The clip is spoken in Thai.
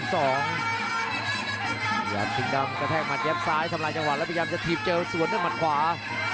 หยาดทิ้งกำกระแทกมันแยบซ้ายสำราญจังหวัดและพยายามจะทีบเจอส่วนด้วยมันขวา